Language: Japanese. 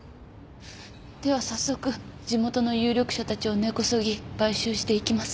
では早速地元の有力者たちを根こそぎ買収していきますか。